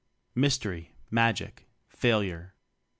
Mystery, Magic Failure.